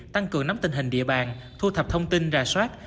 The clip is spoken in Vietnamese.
tăng cường nắm tình hình địa bàn thu thập thông tin rà soát